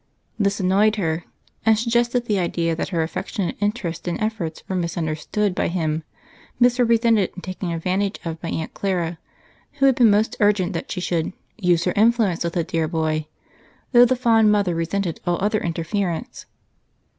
This annoyed her and suggested the idea that her affectionate interest and efforts were misunderstood by him, misrepresented and taken advantage of by Aunt Clara, who had been most urgent that she should "use her influence with the dear boy," though the fond mother resented all other interference.